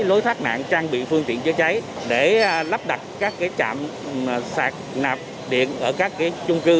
lối thoát nạn trang bị phương tiện chữa cháy để lắp đặt các cái chạm sạc nạp điện ở các cái chung cư